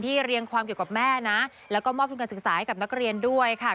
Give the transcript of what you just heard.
เรียงความเกี่ยวกับแม่นะแล้วก็มอบทุนการศึกษาให้กับนักเรียนด้วยค่ะ